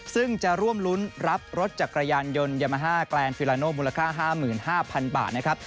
ซึ่งจะร่วมรุ้นรับรถจักรยานยนต์ยามาฮ่าแกรนฟิลาโนมูลค่า๕๕๐๐๐บาทนะครับ